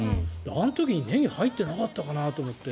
あの時に、ネギ入ってなかったかなと思って。